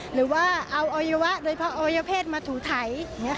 หรือว่าเอาโวยวะโดยเพศมาถูไถ